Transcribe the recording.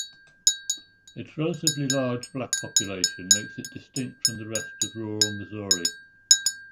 Its relatively large black population makes it distinct from the rest of rural Missouri.